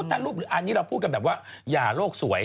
อันนี้เราพูดกันแบบว่าย่าโรคสวย